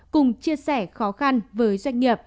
cùng chia sẻ khó khăn với doanh nghiệp